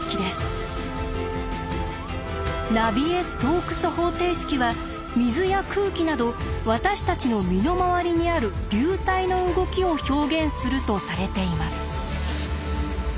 「ナビエ・ストークス方程式」は水や空気など私たちの身の回りにある流体の動きを表現するとされています。